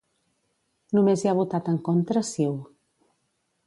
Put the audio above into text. Només hi ha votat en contra CiU.